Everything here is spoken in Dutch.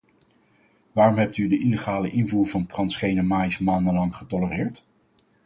Waarom hebt u de illegale invoer van transgene maïs maandenlang getolereerd?